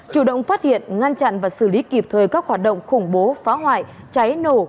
chủ động phát hiện ngăn chặn và xử lý kịp thời các hoạt động khủng bố phá hoại cháy nổ